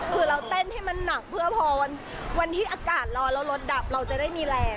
คือเราเต้นให้มันหนักเพื่อพอวันที่อากาศร้อนแล้วรถดับเราจะได้มีแรง